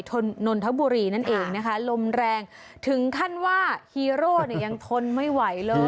นนทบุรีนั่นเองนะคะลมแรงถึงขั้นว่าฮีโร่เนี่ยยังทนไม่ไหวเลย